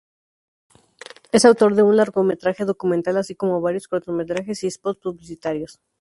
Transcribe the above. Es autor de un largometraje documental así como varios cortometrajes y spots publicitarios.